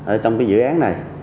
ở trong cái dự án này